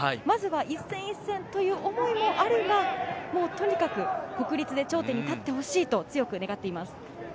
まずは一戦一戦という思いもあるが、とにかく国立で頂点に立ってほしいと強く願っています。